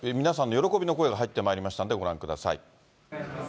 皆さんの喜びの声が入ってまいりましたので、ご覧ください。